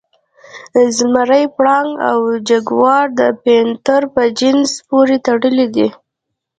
زمری، پړانګ او جګوار د پینتر په جنس پورې تړلي دي.